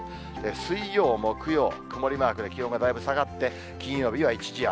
水曜、木曜、曇りマークで、気温がだいぶ下がって、金曜日は一時雨。